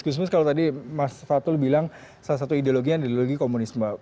gusmis kalau tadi mas fatul bilang salah satu ideologinya ideologi komunisme